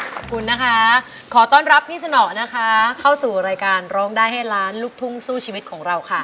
ขอบคุณนะคะขอต้อนรับพี่สนอนะคะเข้าสู่รายการร้องได้ให้ล้านลูกทุ่งสู้ชีวิตของเราค่ะ